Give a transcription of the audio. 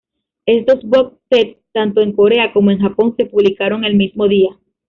Estos box set, tanto en Corea como en Japón, se publicaron el mismo día.